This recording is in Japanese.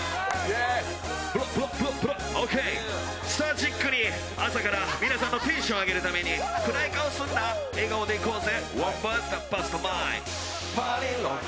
じっくり朝から皆さんのテンション上げるために暗い顔すんな、笑顔でいこうぜ。